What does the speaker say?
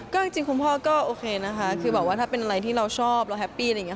ก็จริงคุณพ่อก็โอเคนะคะคือแบบว่าถ้าเป็นอะไรที่เราชอบเราแฮปปี้อะไรอย่างนี้